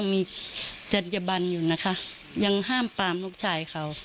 ผมอะแม่อยากรบลูกลูกนี้ค่ะ